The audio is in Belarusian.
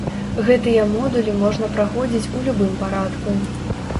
Гэтыя модулі можна праходзіць у любым парадку.